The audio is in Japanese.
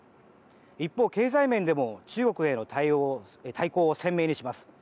一方、経済面でも中国への対抗を鮮明にします。